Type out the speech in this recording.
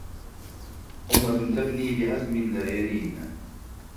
أمة تبني بعزم لا يلين